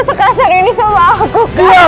sekasar ini sama aku